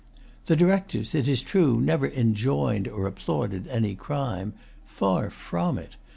The Directors, it is true, never enjoined or applauded any crime. Far from it.